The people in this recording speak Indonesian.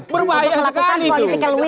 berbahaya sekali itu